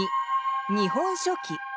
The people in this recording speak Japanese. ２「日本書紀」。